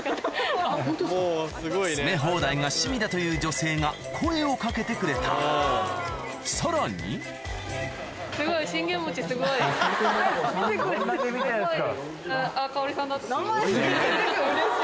詰め放題が趣味だという女性が声を掛けてくれたさらにうれしい。